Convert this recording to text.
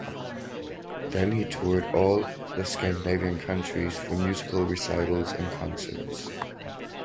Then he toured all the Scandinavian countries for musical recitals and concerts.